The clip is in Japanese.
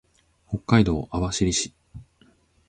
北海道網走市